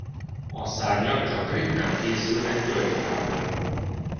A szárnyak csak ritkán készülnek tölgyfából.